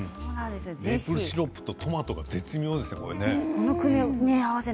メープルシロップとトマト絶妙ですね。